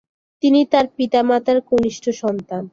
তিনি তার পিতা-মাতার কনিষ্ঠ সন্তান।